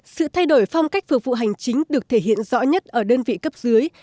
sự thay đổi phong cách phục vụ hành chính được thể hiện rõ nhất ở đơn vị cấp dưới